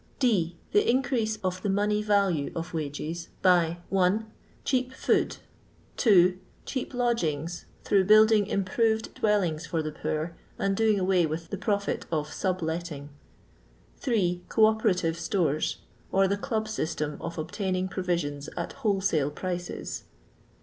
D. The increase qf the money value of xcages; by— LONDON LABOXTRANB THE LONDON POOR. 255 1. Cheap food. 2. Cheap lodgings; through bailding im proved dwellings for the poor, and doing away with the profit of sub letting. 8. Co operatire stores; or the "dob system" of obtaining provisions at wholesale prices.